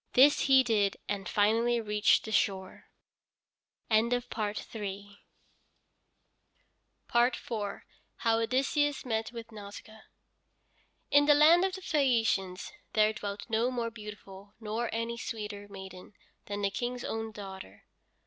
This he did and finally reached the shore. IV HOW ODYSSEUS MET WITH NAUSICAA In the land of the Phæacians there dwelt no more beautiful, nor any sweeter maiden, than the King's own daughter.